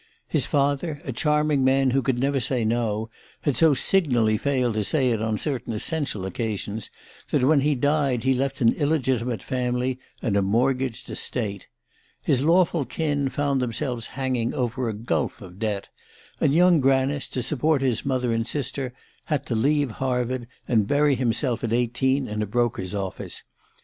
His father, a charming man who could never say "no," had so signally failed to say it on certain essential occasions that when he died he left an illegitimate family and a mortgaged estate. His lawful kin found themselves hanging over a gulf of debt, and young Granice, to support his mother and sister, had to leave Harvard and bury himself at eighteen in a broker's office.